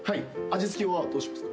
味付けはどうしますか？